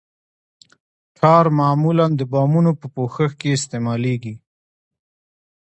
ټار معمولاً د بامونو په پوښښ کې استعمالیږي